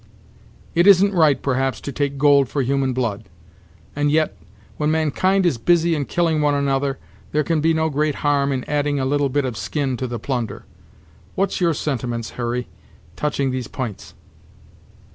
"It isn't right, perhaps, to take gold for human blood; and yet, when mankind is busy in killing one another, there can be no great harm in adding a little bit of skin to the plunder. What's your sentiments, Hurry, touching these p'ints?"